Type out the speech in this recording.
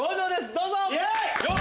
どうぞ！